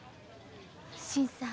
新さん